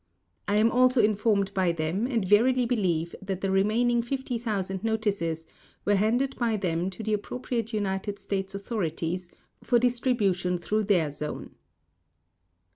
I am also informed by them and verily believe that the remaining 50,000 notices were handed by them to the appropriate United States Authorities for distribution through their Zone.